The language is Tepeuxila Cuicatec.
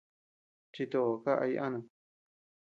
Chito kaʼa yanam.